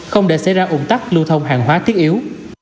không để xảy ra ủng tắc lưu thông hàng hóa thiết yếu